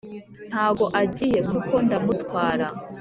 ntago agiye kuko ndamutwara